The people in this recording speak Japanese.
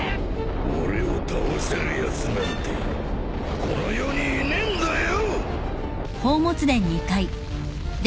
俺を倒せるやつなんてこの世にいねえんだよ！